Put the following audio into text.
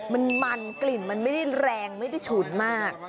มันมันกลิ่นมันไม่ได้แรงไม่ได้ฉุนมาก